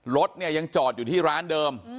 รถเนี่ยยังจอดอยู่ที่ร้านเดิม